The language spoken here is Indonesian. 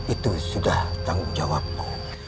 itu sudah tanggung jawabku